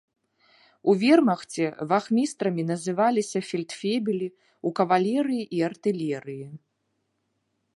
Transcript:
У вермахце вахмістрамі называліся фельдфебелі ў кавалерыі і артылерыі.